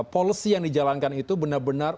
policy yang dijalankan itu benar benar